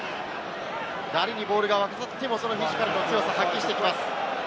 誰にボールが渡ってもフィジカルの強さを発揮してきます。